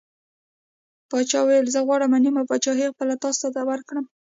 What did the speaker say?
پاچا وویل: زه غواړم نیمه پادشاهي خپله تاسو ته ورکړم.